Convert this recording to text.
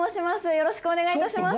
よろしくお願いします。